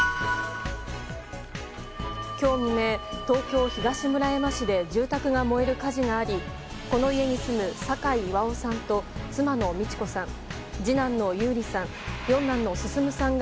今日未明、東京・東村山市で住宅が燃える火事がありこの家に住む酒井巌さんと妻の道子さん、次男の優里さん